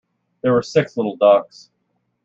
There were six little ducks.